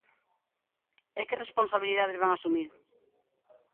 ¿E que responsabilidades van asumir?